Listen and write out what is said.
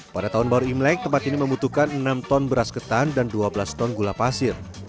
pada tahun baru imlek tempat ini membutuhkan enam ton beras ketan dan dua belas ton gula pasir